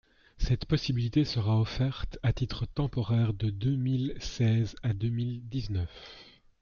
Cette possibilité sera offerte à titre temporaire de deux mille seize à deux mille dix-neuf.